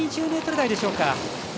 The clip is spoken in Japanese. １２０ｍ台でしょうか。